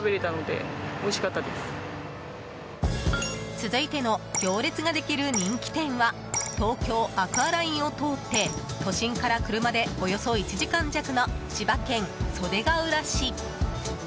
続いての行列ができる人気店は東京アクアラインを通って都心から車でおよそ１時間弱の千葉県袖ケ浦市。